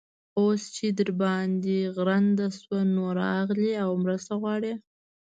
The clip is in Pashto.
اوس چې در باندې غرنده شوه؛ نو، راغلې او مرسته غواړې.